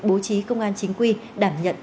bố trí công an chính quy đảm nhận